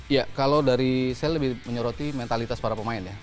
ya kalau dari saya lebih menyoroti mentalitas para pemain ya